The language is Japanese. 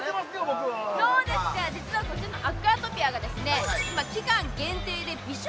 そうですか実はこちらのアクアトピアがですね